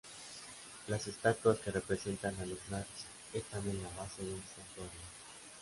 Las estatuas que representan a los Nats están en la base del Santuario.